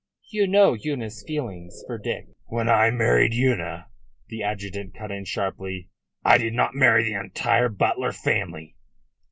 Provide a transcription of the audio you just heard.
"You know Una's feelings for Dick." "When I married Una," the adjutant cut in sharply, "I did not marry the entire Butler family."